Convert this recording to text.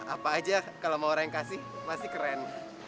apa aja kalau mau orang yang kasih masih keren